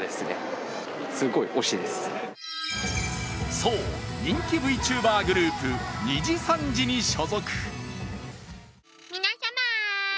そう、人気ＶＴｕｂｅｒグループにじさんじに所属。